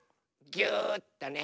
ぎゅっとね。